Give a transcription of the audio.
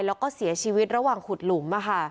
แล้วก็เสียชีวิตระหว่างขุดหลุม